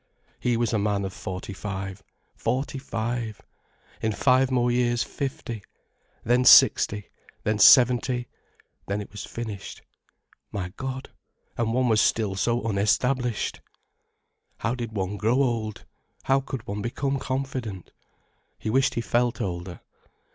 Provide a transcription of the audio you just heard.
He was a man of forty five. Forty five! In five more years fifty. Then sixty—then seventy—then it was finished. My God—and one still was so unestablished! How did one grow old—how could one become confident? He wished he felt older.